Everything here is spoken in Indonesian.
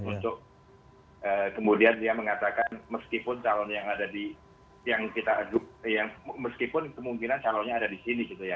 untuk kemudian dia mengatakan meskipun calon yang ada di yang kita adup meskipun kemungkinan calonnya ada di sini gitu ya